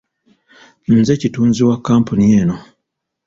Nze kitunzi wa kkampuni eno.